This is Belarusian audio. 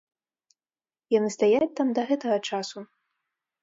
Яны стаяць там да гэтага часу.